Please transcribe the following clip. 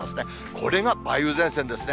これが梅雨前線ですね。